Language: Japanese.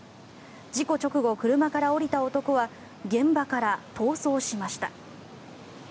事故直後、車から降りた男は現場から逃走しました。